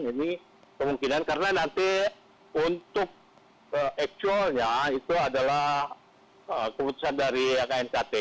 ini kemungkinan karena nanti untuk actualnya itu adalah keputusan dari knkt